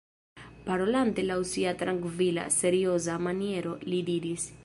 Parolante laŭ sia trankvila, serioza maniero, li diris: